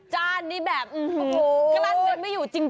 คราชื่นไม่อยู่จริง